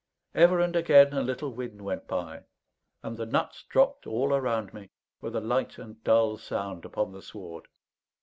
Ever and again a little wind went by, and the nuts dropped all around me, with a light and dull sound, upon the sward.